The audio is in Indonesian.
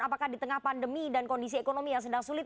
apakah di tengah pandemi dan kondisi ekonomi yang sedang sulit